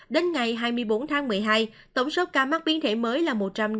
đến ngày hai mươi bốn tháng một mươi hai tổng số ca mắc biến thể mới là một trăm linh